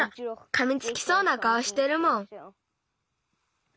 かみつきそうなかおしてるもん。